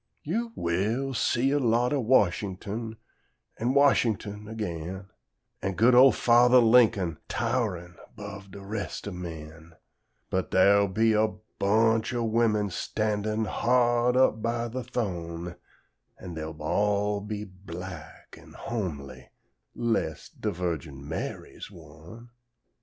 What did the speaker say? You will see a lot o' Washington, an' Washington again; An' good ol' Fathah Lincoln, tow'rin' 'bove de rest o' men; But dar'll be a bunch o' women standin' hard up by de th'one, An' dey'll all be black an' homely, 'less de Virgin Mary's one.